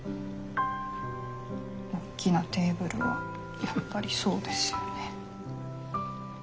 大きなテーブルはやっぱりそうですよね。